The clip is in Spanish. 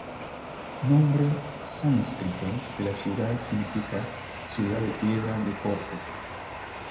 Nombre sánscrito de la ciudad significa "ciudad de piedra de corte".